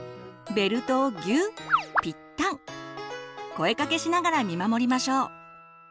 声かけしながら見守りましょう。